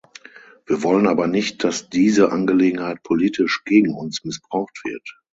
Wir wollen aber nicht, dass diese Angelegenheit politisch gegen uns missbraucht wird.